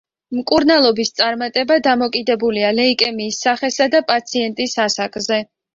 მკურნალობის წარმატება დამოკიდებულია ლეიკემიის სახესა და პაციენტის ასაკზე.